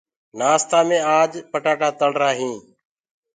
نآستآ مي آج آلوُ تݪرآ تآ۔